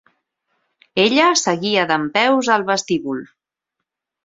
Ella seguia dempeus al vestíbul.